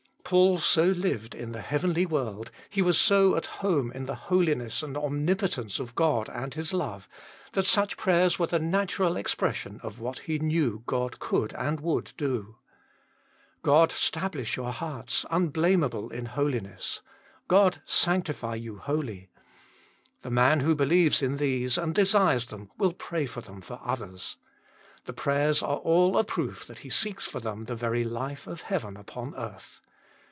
Paul so lived in the heavenly world, he was so at home in the holiness and omnipotence of God and His love, that such prayers were the natural expression of what he knew God could and would do. "God stablish your hearts unblameable in holiness," "God sanctify you wholly" the man who believes in these things and desires them, will pray for them for others. The prayers are all a proof that he seeks for them the very life of heaven upon earth.